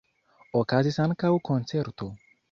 Okazis ankaŭ koncerto.